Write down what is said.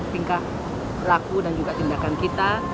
tingkah laku dan juga tindakan kita